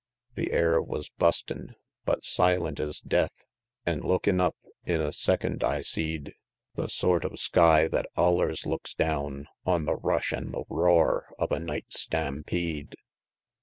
The air wus bustin' but silent es death; An' lookin' up, in a second I seed The sort of sky thet allers looks down On the rush an' the roar of a night stampede.